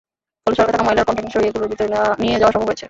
ফলে সড়কে থাকা ময়লার কনটেইনার সরিয়ে এগুলোর ভেতরে নিয়ে যাওয়া সম্ভব হয়েছে।